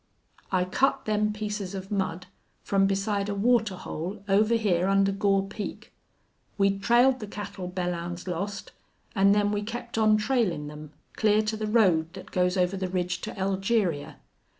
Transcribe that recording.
"I cut them pieces of mud from beside a water hole over hyar under Gore Peak. We'd trailed the cattle Belllounds lost, an' then we kept on trailin' them, clear to the road that goes over the ridge to Elgeria....